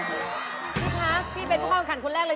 พี่ค้าพี่เป็นผู้คว่าคำถ่ายคนแรกเลย